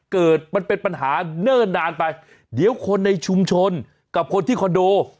เกิดมันเป็นปัญหาเนิ่นนานไปเดี๋ยวคนในชุมชนกับคนที่คอนโด